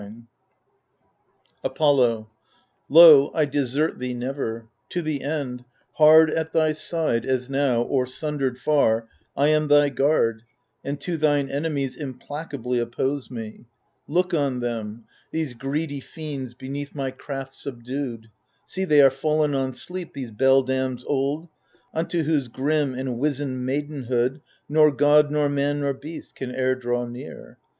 I40 THE FURIES Apollo Lo, I desert thee never : to the end, Hard at thy side as now, or sundered far, I am thy guard, and to thine enemies Implacably oppose me : look on them, These greedy fiends, beneath my craft subdued 1 See, they are fallen on sleep, these beldames old, Unto whose grim and wizened maidenhood Nor god nor man nor beast can e'er draw near.